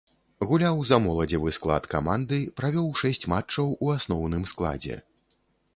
Гуляў за моладзевы склад каманды, правёў шэсць матчаў у асноўным складзе.